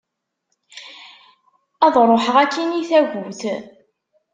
Ad ruḥeγ akin i tagut.